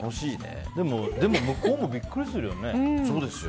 でも向こうもビックリするよね。